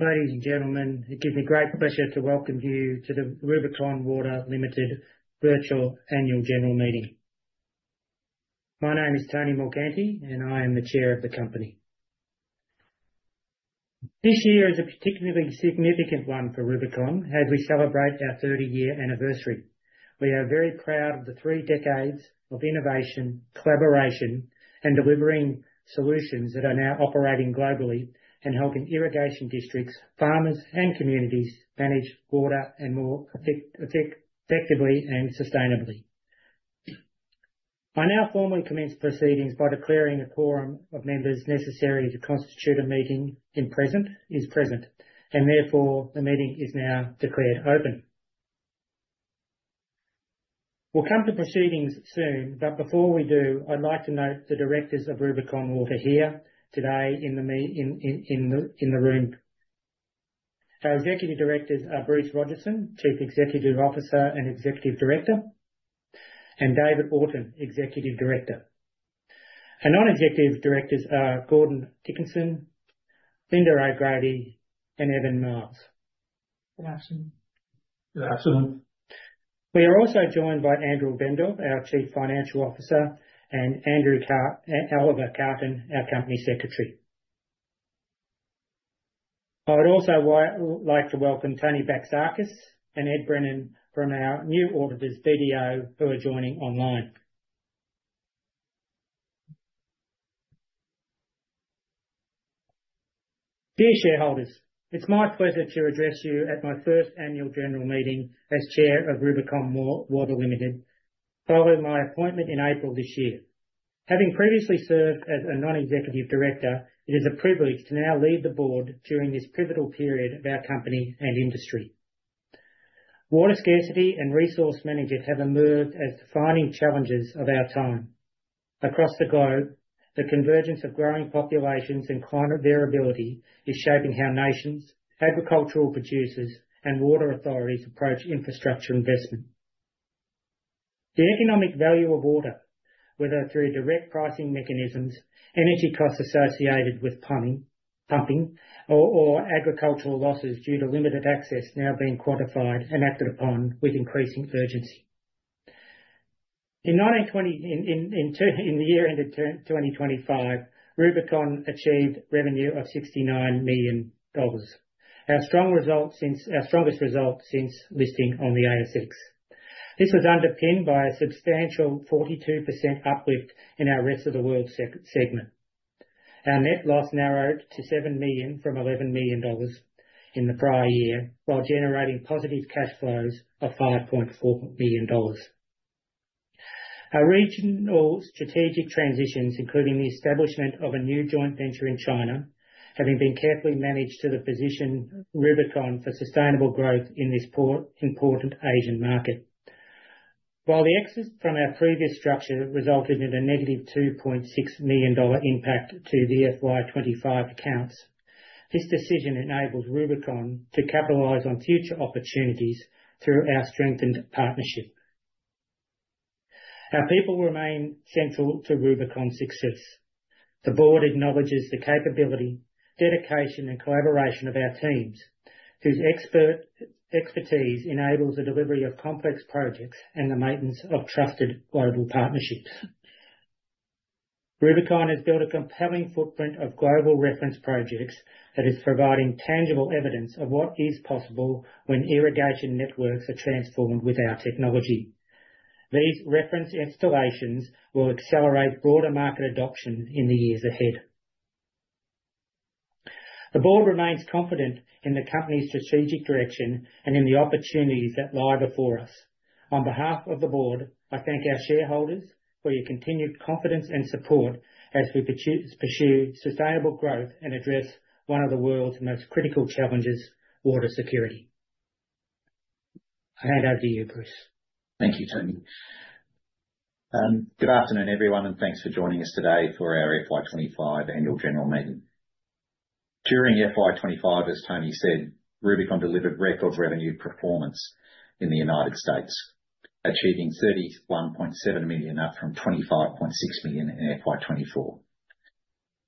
Ladies and gentlemen, it gives me great pleasure to welcome you to the Rubicon Water Limited virtual annual general meeting. My name is Tony Morganti, and I am the chair of the company. This year is a particularly significant one for Rubicon as we celebrate our 30-year anniversary. We are very proud of the three decades of innovation, collaboration, and delivering solutions that are now operating globally and helping irrigation districts, farmers, and communities manage water more effectively and sustainably. I now formally commence proceedings by declaring a quorum of members necessary to constitute a meeting is present, and therefore the meeting is now declared open. We'll come to proceedings soon, but before we do, I'd like to note the directors of Rubicon Water here today in the room. Our executive directors are Bruce Rodgerson, Chief Executive Officer and Executive Director, and David Aughton, Executive Director. Our Non-Executive Directors are Gordon Dickinson, Lynda O'Grady, and Iven Mareels. Good afternoon. Good afternoon. We are also joined by Andrew Bendall, our Chief Financial Officer, and Oliver Carton, our Company Secretary. I would also like to welcome Tony Bacic and Ed Brennan from our new auditors, BDO, who are joining online. Dear shareholders, it's my pleasure to address you at my first Annual General Meeting as Chair of Rubicon Water Limited, following my appointment in April this year. Having previously served as a non-executive director, it is a privilege to now lead the board during this pivotal period of our company and industry. Water scarcity and resource management have emerged as defining challenges of our time. Across the globe, the convergence of growing populations and climate variability is shaping how nations, agricultural but producers, and water authorities approach infrastructure investment. The economic value of water, whether through direct pricing mechanisms, energy costs associated with pumping, or agricultural losses due to limited access, is now being quantified and acted upon with increasing urgency. In the year into 2025, Rubicon achieved revenue of 69 million dollars, our strongest result since listing on the ASX. This was underpinned by a substantial 42% uplift in our rest of the world segment. Our net loss narrowed to 7 million from 11 million dollars in the prior year, while generating positive cash flows of 5.4 million dollars. Our regional strategic transitions, including the establishment of a new joint venture in China, have been carefully managed to position Rubicon for sustainable growth in this important Asian market. While the exit from our previous structure resulted in a negative 2.6 million dollar impact to the FY25 accounts, this decision enables Rubicon to capitalize on future opportunities through our strengthened partnership. Our people remain central to Rubicon's success. The board acknowledges the capability, dedication, and collaboration of our teams, whose expertise enables the delivery of complex projects and the maintenance of trusted global partnerships. Rubicon has built a compelling footprint of global reference projects that is providing tangible evidence of what is possible when irrigation networks are transformed with our technology. These reference installations will accelerate broader market adoption in the years ahead. The board remains confident in the company's strategic direction and in the opportunities that lie before us. On behalf of the board, I thank our shareholders for your continued confidence and support as we pursue sustainable growth and address one of the world's most critical challenges, water security. I hand over to you, Bruce. Thank you, Tony. Good afternoon, everyone, and thanks for joining us today for our FY25 annual general meeting. During FY25, as Tony said, Rubicon delivered record revenue performance in the United States, achieving $31.7 million, up from $25.6 million in FY24.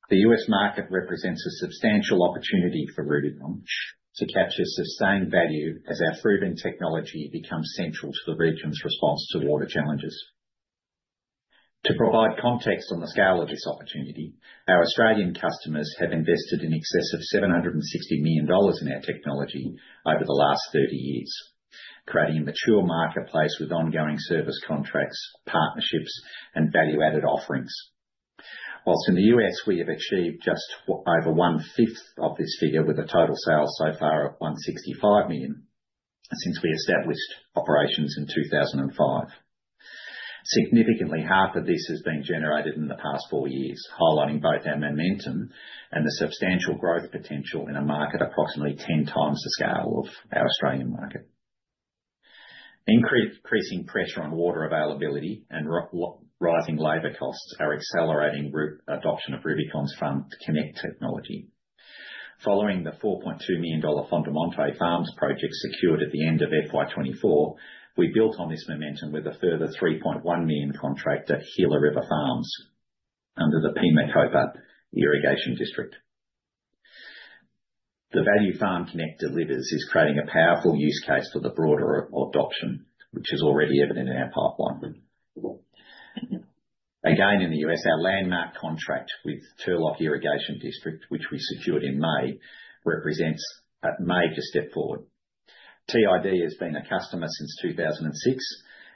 The U.S. market represents a substantial opportunity for Rubicon to capture sustained value as our proven technology becomes central to the region's response to water challenges. To provide context on the scale of this opportunity, our Australian customers have invested an excess of $760 million in our technology over the last 30 years, creating a mature marketplace with ongoing service contracts, partnerships, and value-added offerings. While in the U.S., we have achieved just over one-fifth of this figure, with a total sales so far of $165 million since we established operations in 2005. Significantly, half of this has been generated in the past four years, highlighting both our momentum and the substantial growth potential in a market approximately 10 times the scale of our Australian market. Increasing pressure on water availability and rising labor costs are accelerating adoption of Rubicon's FarmConnect technology. Following the $4.2 million Fondomonte Farms project secured at the end of FY24, we built on this momentum with a further $3.1 million contract at Gila River Farms under the Pima-Maricopa Irrigation District. The value FarmConnect delivers is creating a powerful use case for the broader adoption, which is already evident in our pipeline. Again, in the U.S., our landmark contract with Turlock Irrigation District, which we secured in May, represents a major step forward. TID has been a customer since 2006,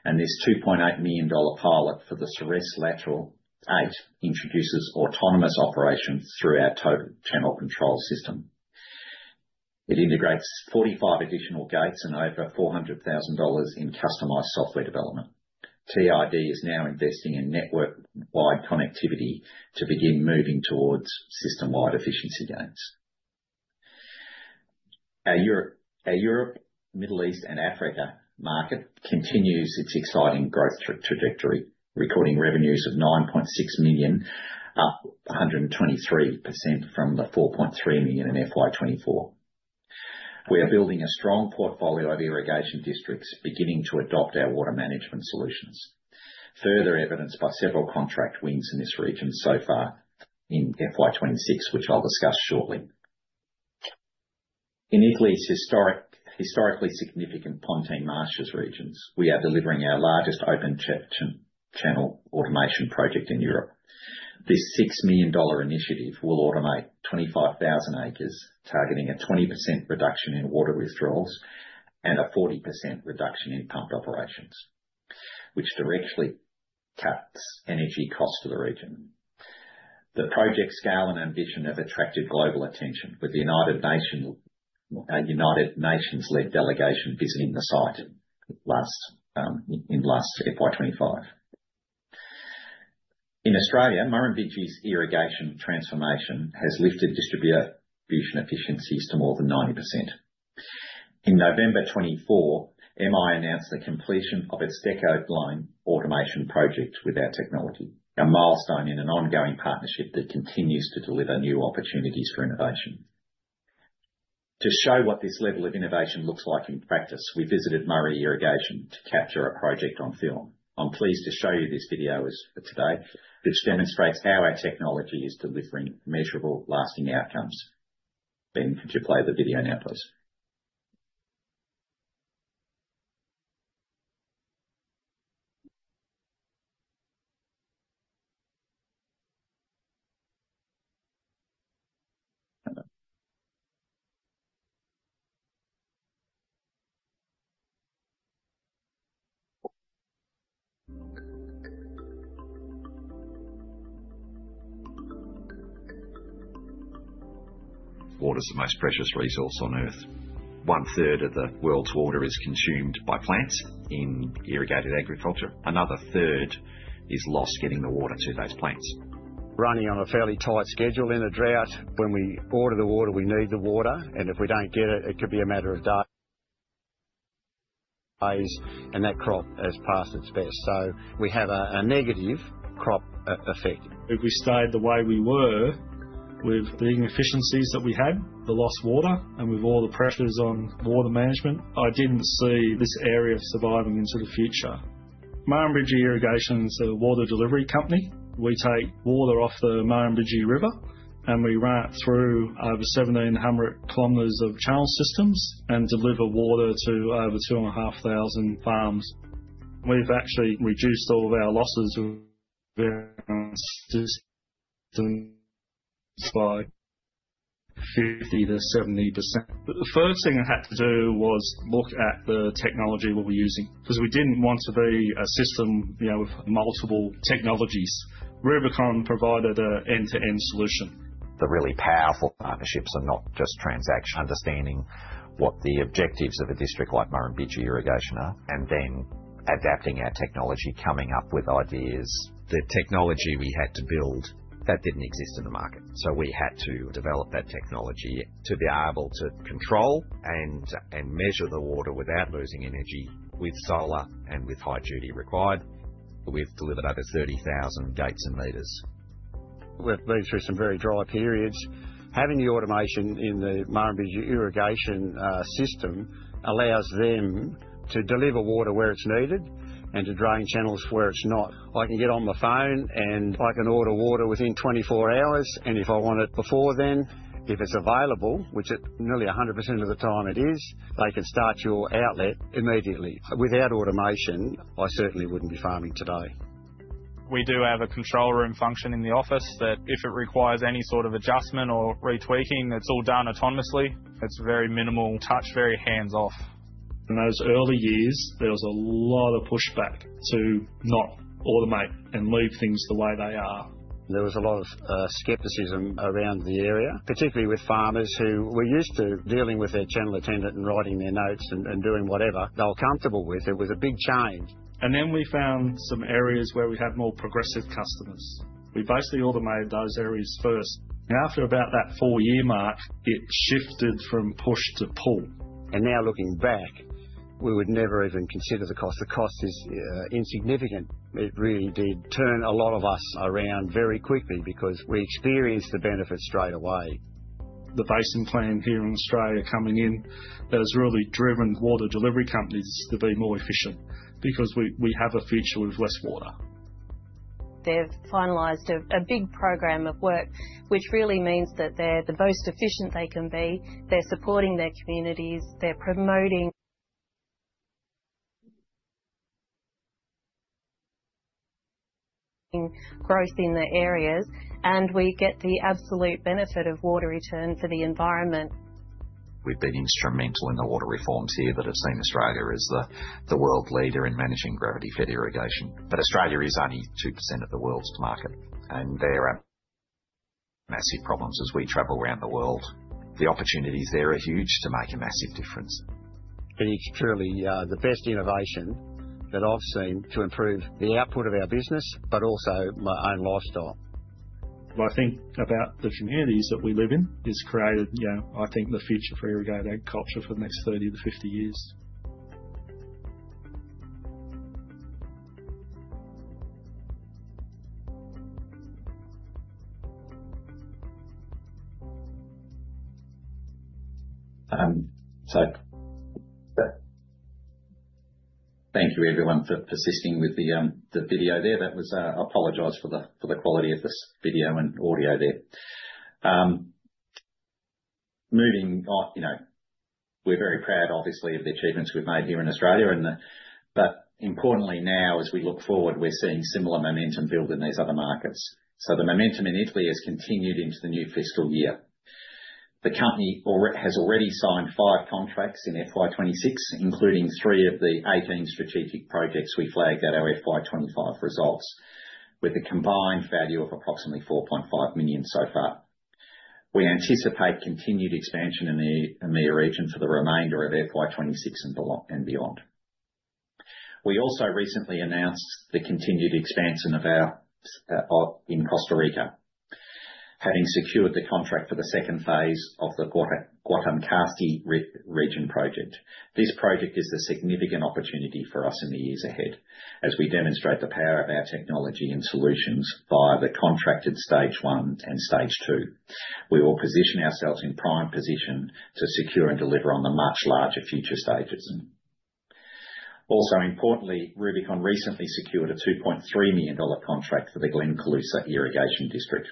and this 2.8 million dollar pilot for the Ceres Lateral 8 introduces autonomous operations through our Total Channel Control system. It integrates 45 additional gates and over 400,000 dollars in customized software development. TID is now investing in network-wide connectivity to begin moving towards system-wide efficiency gains. Our Europe, Middle East, and Africa market continues its exciting growth trajectory, recording revenues of 9.6 million, up 123% from the 4.3 million in FY24. We are building a strong portfolio of irrigation districts beginning to adopt our water management solutions, further evidenced by several contract wins in this region so far in FY26, which I'll discuss shortly. In Italy's historically significant Pontine Marshes regions, we are delivering our largest open channel automation project in Europe. This 6 million dollar initiative will automate 25,000 acres, targeting a 20% reduction in water withdrawals and a 40% reduction in pump operations, which directly cuts energy costs to the region. The project scale and ambition have attracted global attention, with the United Nations-led delegation visiting the site in last FY25. In Australia, Murrumbidgee's irrigation transformation has lifted distribution efficiencies to more than 90%. In November 2024, MI announced the completion of its DecoDigline automation project with our technology, a milestone in an ongoing partnership that continues to deliver new opportunities for innovation. To show what this level of innovation looks like in practice, we visited Murray Irrigation to capture a project on film. I'm pleased to show you this video for today, which demonstrates how our technology is delivering measurable, lasting outcomes. Ben, could you play the video now, please? Water is the most precious resource on Earth. One-third of the world's water is consumed by plants in irrigated agriculture. Another third is lost getting the water to those plants. Running on a fairly tight schedule in a drought, when we order the water, we need the water, and if we don't get it, it could be a matter of days, and that crop has passed its best, so we have a negative crop effect. If we stayed the way we were with the efficiencies that we had, the lost water, and with all the pressures on water management, I didn't see this area surviving into the future. Murrumbidgee Irrigation is a water delivery company. We take water off the Murrumbidgee River, and we run it through over 1,700 kilometers of channel systems and deliver water to over 2,500 farms. We've actually reduced all of our losses by 50%-70%. The first thing I had to do was look at the technology we were using, because we didn't want to be a system with multiple technologies. Rubicon provided an end-to-end solution. The really powerful partnerships are not just transactions, understanding what the objectives of a district like Murrumbidgee Irrigation are, and then adapting our technology, coming up with ideas. The technology we had to build, that didn't exist in the market, so we had to develop that technology to be able to control and measure the water without losing energy with solar and with high duty required. We've delivered over 30,000 gates and meters. We've been through some very dry periods. Having the automation in the Murrumbidgee Irrigation system allows them to deliver water where it's needed and to drain channels where it's not. I can get on my phone, and I can order water within 24 hours, and if I want it before then, if it's available, which nearly 100% of the time it is, they can start your outlet immediately. Without automation, I certainly wouldn't be farming today. We do have a control room function in the office that, if it requires any sort of adjustment or retweaking, it's all done autonomously. It's very minimal touch, very hands-off. In those early years, there was a lot of pushback to not automate and leave things the way they are. There was a lot of skepticism around the area, particularly with farmers who were used to dealing with their channel attendant and writing their notes and doing whatever they were comfortable with. It was a big change. And then we found some areas where we had more progressive customers. We basically automated those areas first. After about that four-year mark, it shifted from push to pull. Now looking back, we would never even consider the cost. The cost is insignificant. It really did turn a lot of us around very quickly because we experienced the benefit straight away. The Basin Plan here in Australia coming in has really driven water delivery companies to be more efficient because we have a future with less water. They've finalized a big program of work, which really means that they're the most efficient they can be. They're supporting their communities. They're promoting growth in the areas, and we get the absolute benefit of water return for the environment. We've been instrumental in the water reforms here that have seen Australia as the world leader in managing gravity-fed irrigation. But Australia is only 2% of the world's market, and there are massive problems as we travel around the world. The opportunities there are huge to make a massive difference. It is truly the best innovation that I've seen to improve the output of our business, but also my own lifestyle. What I think about the communities that we live in has created, I think, the future for irrigated agriculture for the next 30-50 years. Thank you, everyone, for assisting with the video there. I apologize for the quality of this video and audio there. We're very proud, obviously, of the achievements we've made here in Australia. But importantly now, as we look forward, we're seeing similar momentum build in these other markets. The momentum in Italy has continued into the new fiscal year. The company has already signed five contracts in FY26, including three of the 18 strategic projects we flagged at our FY25 results, with a combined value of approximately 4.5 million so far. We anticipate continued expansion in the EMEA region for the remainder of FY26 and beyond. We also recently announced the continued expansion of our in Costa Rica, having secured the contract for the second phase of the Guanacaste region project. This project is a significant opportunity for us in the years ahead as we demonstrate the power of our technology and solutions via the contracted stage one and stage two. We will position ourselves in prime position to secure and deliver on the much larger future stages. Also, importantly, Rubicon recently secured a 2.3 million dollar contract for the Glenn-Colusa Irrigation District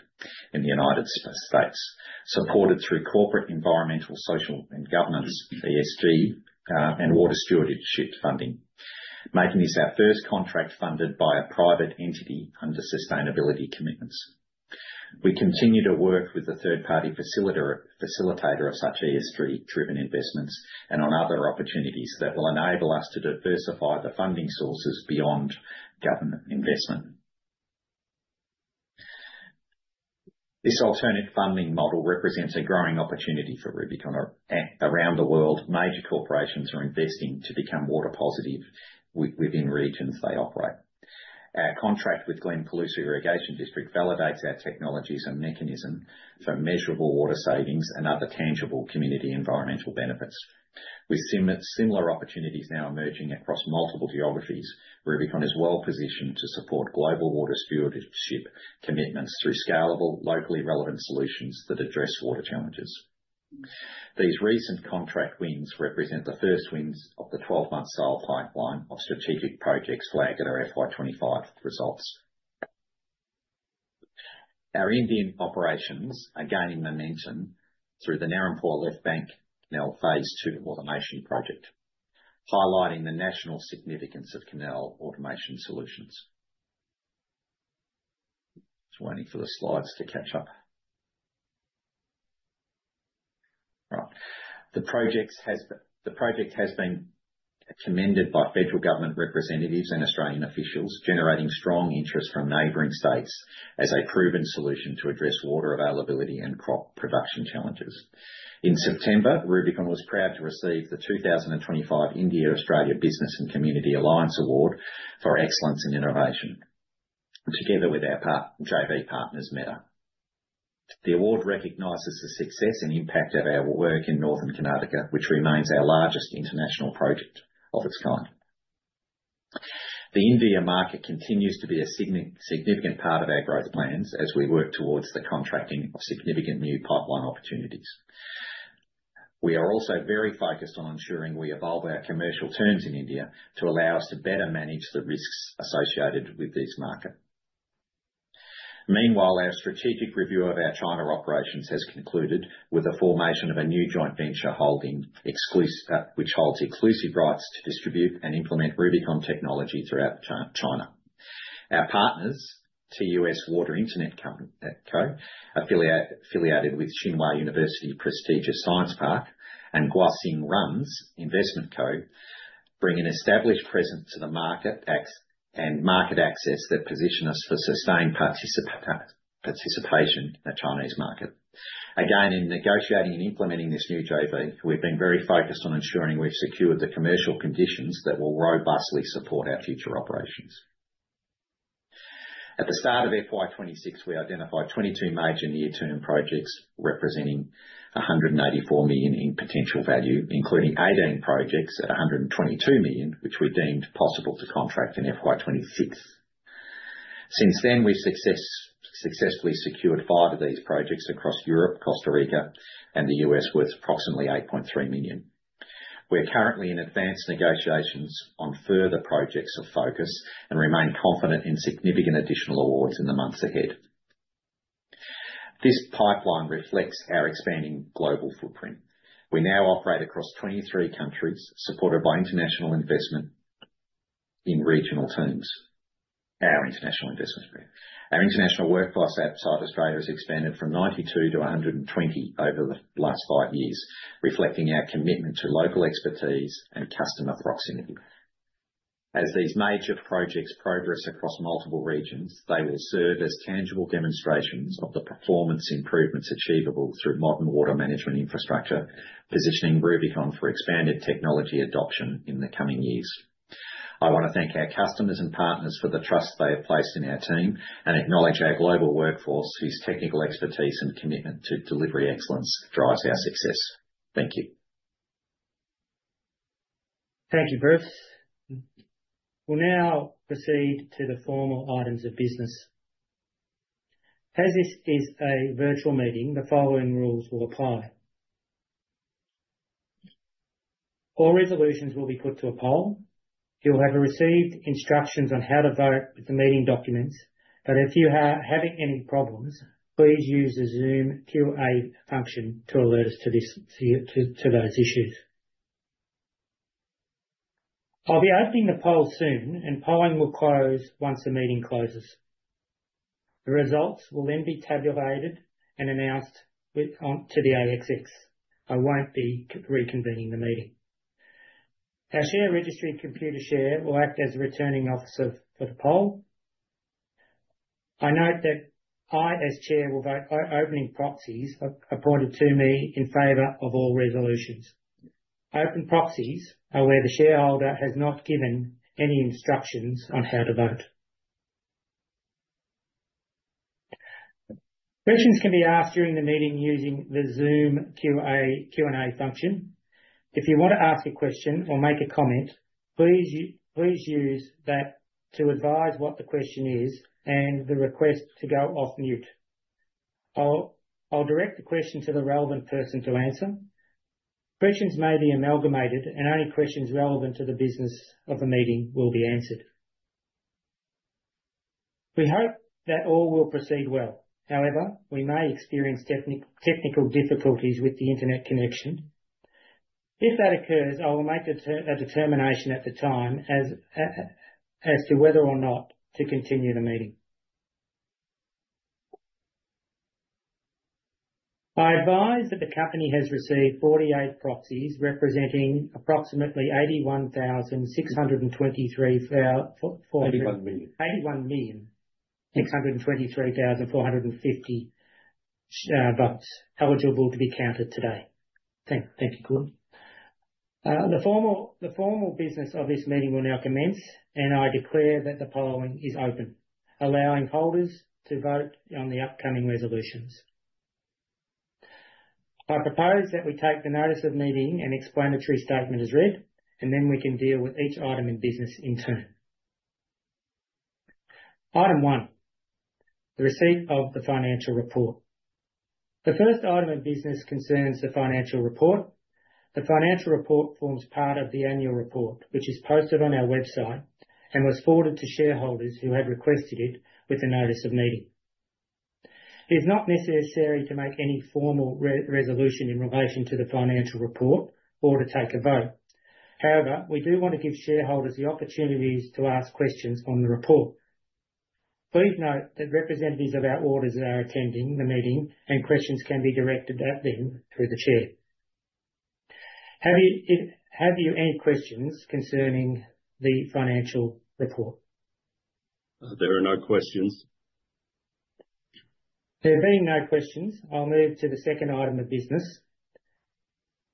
in the United States, supported through corporate Environmental, Social, and Governance, ESG, and water stewardship funding, making this our first contract funded by a private entity under sustainability commitments. We continue to work with the third-party facilitator of such ESG-driven investments and on other opportunities that will enable us to diversify the funding sources beyond government investment. This alternative funding model represents a growing opportunity for Rubicon. Around the world, major corporations are investing to become water positive within regions they operate. Our contract with Glenn-Colusa Irrigation District validates our technologies and mechanism for measurable water savings and other tangible community environmental benefits. With similar opportunities now emerging across multiple geographies, Rubicon is well positioned to support global water stewardship commitments through scalable, locally relevant solutions that address water challenges. These recent contract wins represent the first wins of the 12-month sale pipeline of strategic projects flagged at our FY25 results. Our Indian operations are gaining momentum through the Narayanpur Left Bank Canal Phase Two automation project, highlighting the national significance of canal automation solutions. Just waiting for the slides to catch up. Right. The project has been commended by federal government representatives and Australian officials, generating strong interest from neighboring states as a proven solution to address water availability and crop production challenges. In September, Rubicon was proud to receive the 2025 India-Australia Business and Community Alliance Award for excellence in innovation, together with our JV partners, Medha. The award recognizes the success and impact of our work in Northern Karnataka, which remains our largest international project of its kind. The India market continues to be a significant part of our growth plans as we work towards the contracting of significant new pipeline opportunities. We are also very focused on ensuring we evolve our commercial terms in India to allow us to better manage the risks associated with this market. Meanwhile, our strategic review of our China operations has concluded with the formation of a new joint venture holding, which holds exclusive rights to distribute and implement Rubicon technology throughout China. Our partners, TUS Water Internet Co., affiliated with Tsinghua University prestigious Science Park, and Guoxingrun Investment Co., bring an established presence to the market and market access that position us for sustained participation in the Chinese market. Again, in negotiating and implementing this new JV, we've been very focused on ensuring we've secured the commercial conditions that will robustly support our future operations. At the start of FY26, we identified 22 major near-term projects representing 184 million in potential value, including 18 projects at 122 million, which we deemed possible to contract in FY26. Since then, we've successfully secured 5 of these projects across Europe, Costa Rica, and the US worth approximately 8.3 million. We're currently in advanced negotiations on further projects of focus and remain confident in significant additional awards in the months ahead. This pipeline reflects our expanding global footprint. We now operate across 23 countries, supported by international investment in regional terms. Our international workforce outside Australia has expanded from 92 to 120 over the last five years, reflecting our commitment to local expertise and customer proximity. As these major projects progress across multiple regions, they will serve as tangible demonstrations of the performance improvements achievable through modern water management infrastructure, positioning Rubicon for expanded technology adoption in the coming years. I want to thank our customers and partners for the trust they have placed in our team and acknowledge our global workforce, whose technical expertise and commitment to delivery excellence drives our success. Thank you. Thank you, Bruce. We'll now proceed to the formal items of business. As this is a virtual meeting, the following rules will apply. All resolutions will be put to a poll. You'll have received instructions on how to vote with the meeting documents, but if you are having any problems, please use the Zoom Q&A function to alert us to those issues. I'll be opening the poll soon, and polling will close once the meeting closes. The results will then be tabulated and announced to the ASX. I won't be reconvening the meeting. Our share registry Computershare will act as a returning officer for the poll. I note that I, as Chair, will vote open proxies appointed to me in favour of all resolutions. Open proxies are where the shareholder has not given any instructions on how to vote. Questions can be asked during the meeting using the Zoom Q&A function. If you want to ask a question or make a comment, please use that to advise what the question is and the request to go off mute. I'll direct the question to the relevant person to answer. Questions may be amalgamated, and only questions relevant to the business of the meeting will be answered. We hope that all will proceed well. However, we may experience technical difficulties with the internet connection. If that occurs, I will make a determination at the time as to whether or not to continue the meeting. I advise that the company has received 48 proxies representing approximately 81,623,450 bucks, 81,623,450 bucks, eligible to be counted today. Thank you, Gordon. The formal business of this meeting will now commence, and I declare that the polling is open, allowing holders to vote on the upcoming resolutions. I propose that we take the notice of meeting and explanatory statement as read, and then we can deal with each item in business in turn. Item one, the receipt of the financial report. The first item of business concerns the financial report. The financial report forms part of the annual report, which is posted on our website and was forwarded to shareholders who had requested it with the notice of meeting. It is not necessary to make any formal resolution in relation to the financial report or to take a vote. However, we do want to give shareholders the opportunities to ask questions on the report. Please note that representatives of our auditors are attending the meeting, and questions can be directed at them through the chair. Have you any questions concerning the financial report? There are no questions. There being no questions, I'll move to the second item of business.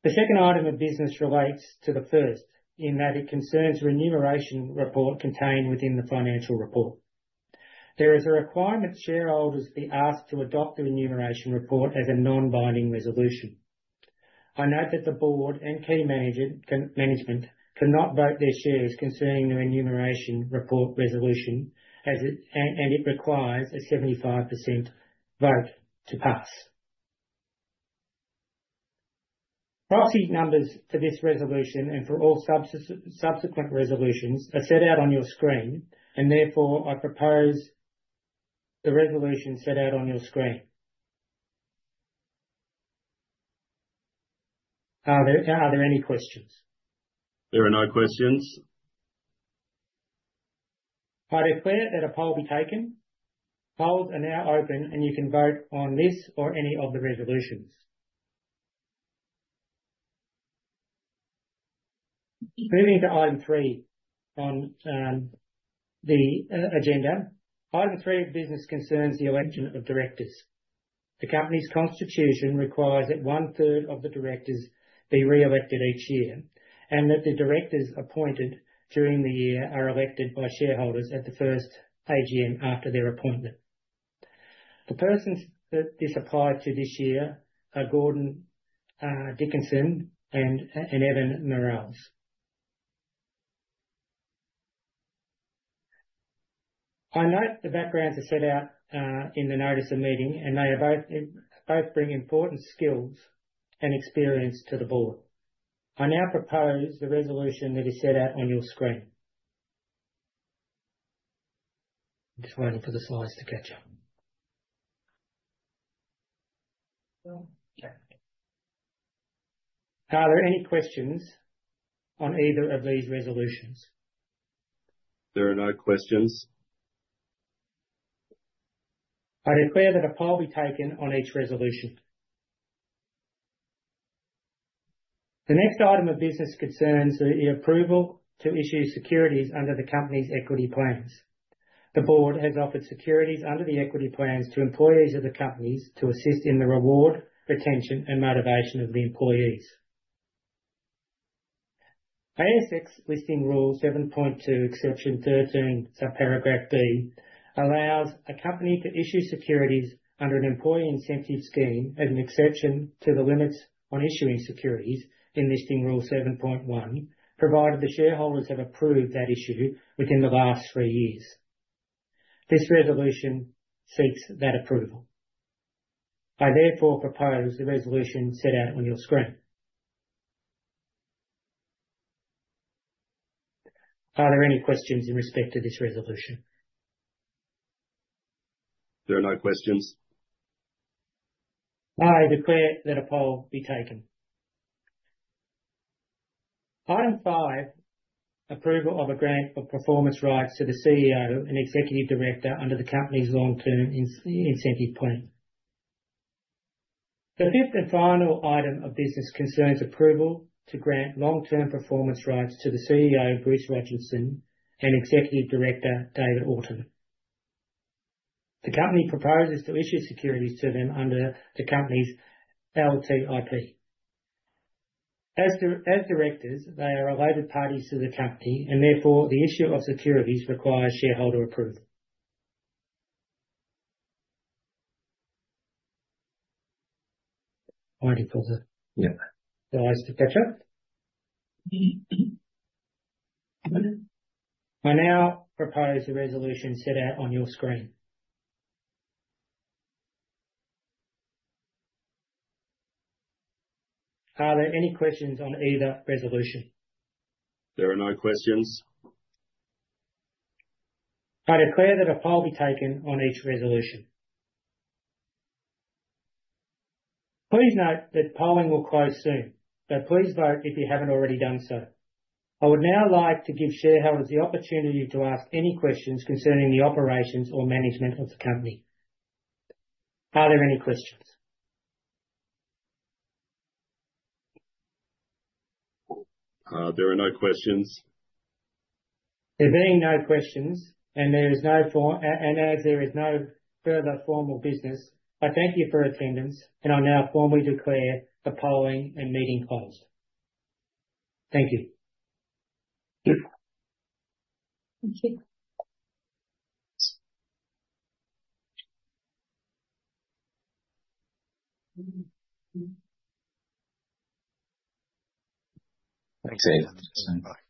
The second item of business relates to the first in that it concerns the remuneration report contained within the financial report. There is a requirement shareholders be asked to adopt the remuneration report as a non-binding resolution. I note that the board and key management cannot vote their shares concerning the remuneration report resolution, and it requires a 75% vote to pass. Proxy numbers for this resolution and for all subsequent resolutions are set out on your screen, and therefore I propose the resolution set out on your screen. Are there any questions? There are no questions. I declare that a poll be taken. Polls are now open, and you can vote on this or any of the resolutions. Moving to Item three on the agenda. Item three of business concerns the election of directors. The company's constitution requires that one-third of the directors be re-elected each year and that the directors appointed during the year are elected by shareholders at the first AGM after their appointment. The persons that this applies to this year are Gordon Dickinson and Iven Mareels. I note the backgrounds are set out in the notice of meeting, and they both bring important skills and experience to the board. I now propose the resolution that is set out on your screen. I'm just waiting for the slides to catch up. Are there any questions on either of these resolutions? There are no questions. I declare that a poll be taken on each resolution. The next item of business concerns the approval to issue securities under the company's equity plans. The board has offered securities under the equity plans to employees of the companies to assist in the reward, retention, and motivation of the employees. ASX Listing Rule 7.2, Exception 13, subparagraph B, allows a company to issue securities under an employee incentive scheme as an exception to the limits on issuing securities in Listing Rule 7.1, provided the shareholders have approved that issue within the last three years. This resolution seeks that approval. I therefore propose the resolution set out on your screen. Are there any questions in respect to this resolution? There are no questions. I declare that a poll be taken. Item five, approval of a grant for performance rights to the CEO and Executive Director under the company's Long-Term Incentive Plan. The fifth and final item of business concerns approval to grant long-term performance rights to the CEO, Bruce Rodgerson, and Executive Director, David Aughton. The company proposes to issue securities to them under the company's LTIP. As directors, they are related parties to the company, and therefore the issue of securities requires shareholder approval. Waiting for the slides to catch up. I now propose the resolution set out on your screen. Are there any questions on either resolution? There are no questions. I declare that a poll be taken on each resolution. Please note that polling will close soon, but please vote if you haven't already done so. I would now like to give shareholders the opportunity to ask any questions concerning the operations or management of the company. Are there any questions? There are no questions. There being no questions, and as there is no further formal business, I thank you for attendance, and I now formally declare the polling and meeting closed. Thank you. Thank you. Thanks, Eve.